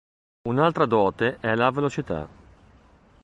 Un'altra dote è la velocità.